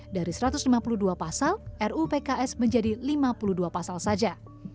dari satu ratus lima puluh dua pasal ru pks menjadi lima puluh dua pasal saja